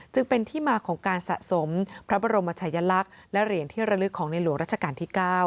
จึงเป็นที่มาของการสะสมพระบรมชายลักษณ์และเหรียญที่ระลึกของในหลวงรัชกาลที่๙